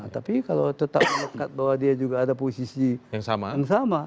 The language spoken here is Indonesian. tapi kalau tetap melihat bahwa dia juga ada posisi yang sama